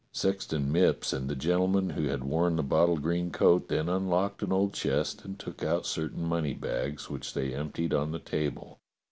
Sexton Mipps and the gentleman who had worn the bottle green coat then unlocked an old chest and took out certain money bags which they emptied on the table.